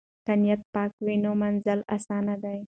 که نیت پاک وي نو منزل آسانه دی.